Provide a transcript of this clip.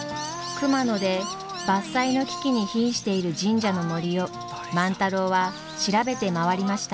熊野で伐採の危機にひんしている神社の森を万太郎は調べて回りました。